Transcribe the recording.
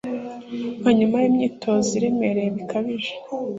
nka nyuma yimyitozo iremereye bikabije